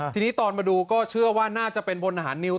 ทีนี้ตอนมาดูก็เชื่อว่าน่าจะเป็นพลทหารนิว